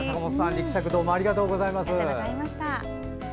力作ありがとうございました。